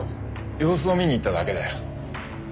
様子を見に行っただけだよ。